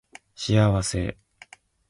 幸せ